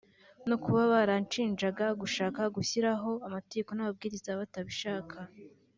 no kuba barayishinjaga gushaka kubashyiraho amategeko n’amabwiriza batabishaka